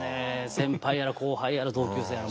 先輩やら後輩やら同級生やら。